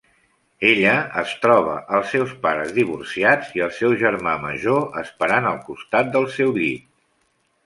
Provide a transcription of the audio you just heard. Ella es troba els seus pares divorciats i el seu germà major esperant al costat del seu llit.